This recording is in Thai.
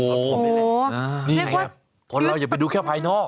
นี่ไงครับคนเราอย่าไปดูแค่ภายนอก